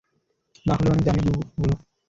না হলেও, অনেক দামী ওগুলো।